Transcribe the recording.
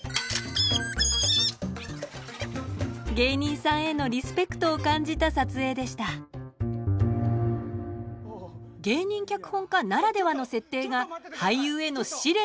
芸人さんへのリスペクトを感じた撮影でした芸人脚本家ならではの設定が俳優への試練になることも。